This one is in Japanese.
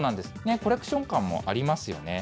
コレクション感もありますよね。